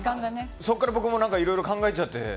そこから僕もいろいろ考えちゃって。